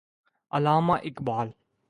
Allama Iqbal